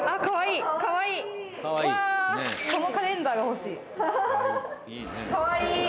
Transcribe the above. かわいい！